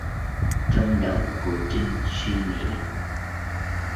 trong đầu của Trinh suy nghĩ